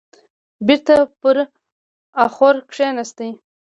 بېرته پر اخور کيناست.